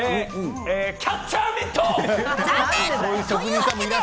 キャッチャーミット！